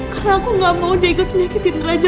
karena aku gak mau diego menyakitin raja